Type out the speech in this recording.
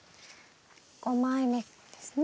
５枚目ですね？